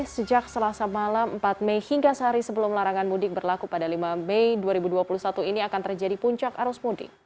sejak selasa malam empat mei hingga sehari sebelum larangan mudik berlaku pada lima mei dua ribu dua puluh satu ini akan terjadi puncak arus mudik